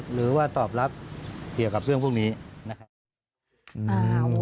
หรือว่าตอบรับเกี่ยวกับเรื่องพวกนี้นะครับ